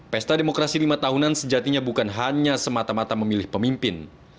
pesta demokrasi lima tahunan sejatinya bukan hanya semata mata memilih pemimpin